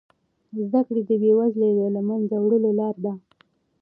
زده کړه د بې وزلۍ د له منځه وړلو لاره ده.